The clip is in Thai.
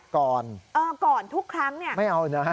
ก่อนเออก่อนทุกครั้งเนี่ยไม่เอานะฮะ